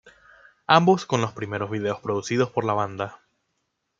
Ambos con los primeros vídeos producidos por la banda.